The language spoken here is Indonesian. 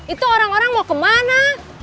itu orang orang mau kemana